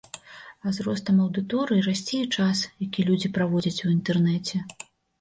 А з ростам аўдыторыі расце і час, які людзі праводзяць у інтэрнэце.